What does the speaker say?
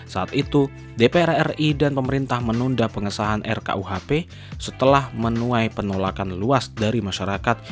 saat itu dpr ri dan pemerintah menunda pengesahan rkuhp setelah menuai penolakan luas dari masyarakat